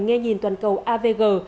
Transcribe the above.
nghe nhìn toàn cầu avg